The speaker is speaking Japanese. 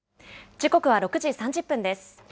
時刻は６時３０分です。